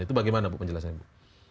itu bagaimana bu penjelasannya